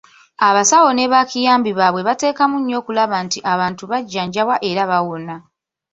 Abasawo ne ba kiyambi baabwe bateekamu nnyo okukakasa nti abantu bajjanjabwa era bawona.